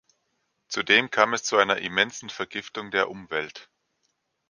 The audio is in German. Zudem kam es zu einer immensen Vergiftung der Umwelt.